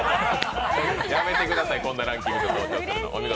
やめてください、こんなランキングで盗聴するの。